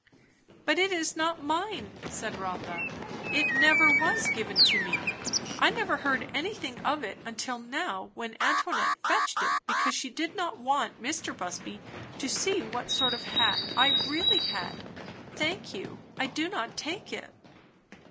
"But it is not mine," said Rotha. "It never was given to me. I never heard anything of it until now, when Antoinette fetched it because she did not want Mr. Busby to see what sort of a hat I really had. Thank you! I do not take it."